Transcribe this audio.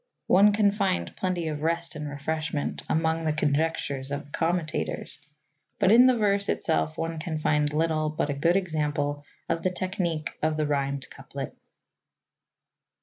One can find plenty of "rest and refreshment" among the conjectures of the commentators, but in the verse itself one can find little but a good example of the technique of the rhymed couplet.